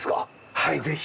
はいぜひ。